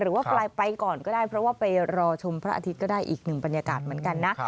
หรือว่าไปก่อนก็ได้เพราะว่าไปรอชมพระอาทิตย์ก็ได้อีกหนึ่งบรรยากาศเหมือนกันนะ